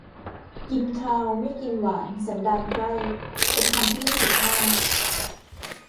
กินคาวไม่กินหวานสันดานไพร่ เป็นคำที่ไม่สุภาพ